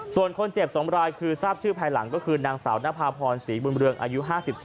ส่วนคนเจ็บ๒รายคือทราบชื่อภายหลังก็คือนางสาวนภาพรศรีบุญเรืองอายุ๕๔